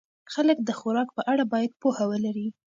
خلک د خوراک په اړه باید پوهه ولري.